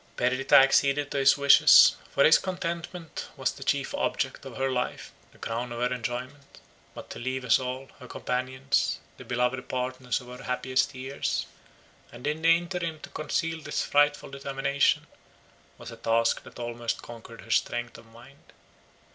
Perdita acceded to his wishes; for his contentment was the chief object of her life, the crown of her enjoyment; but to leave us all, her companions, the beloved partners of her happiest years, and in the interim to conceal this frightful determination, was a task that almost conquered her strength of mind.